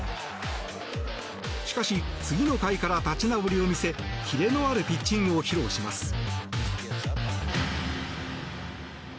しかし、次の回から立ち直りを見せキレのあるピッチングを披露します。